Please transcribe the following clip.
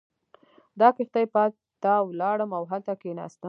د کښتۍ پای ته ولاړم او هلته کېناستم.